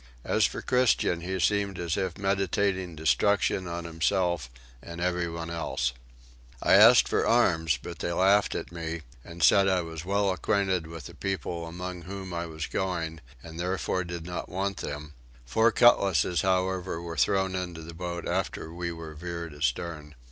As for Christian he seemed as if meditating destruction on himself and everyone else. I asked for arms but they laughed at me, and said I was well acquainted with the people among whom I was going, and therefore did not want them; four cutlasses however were thrown into the boat after we were veered astern.